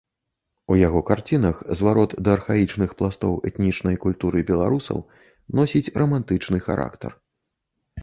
У яго карцінах зварот да архаічных пластоў этнічнай культуры беларусаў носіць рамантычны характар.